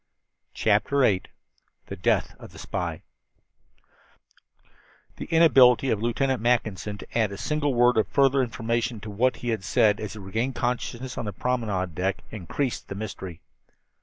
CHAPTER VIII THE DEATH OF THE SPY The inability of Lieutenant Mackinson to add a single word of further information to what he had said as he regained consciousness on the promenade deck increased the mystery.